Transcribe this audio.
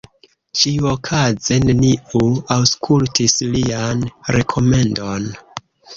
Ĉiuokaze neniu aŭskultis lian rekomendon.